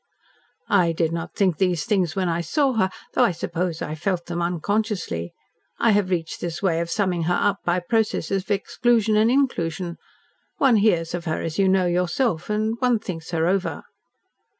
"I did not think these things when I saw her though I suppose I felt them unconsciously. I have reached this way of summing her up by processes of exclusion and inclusion. One hears of her, as you know yourself, and one thinks her over."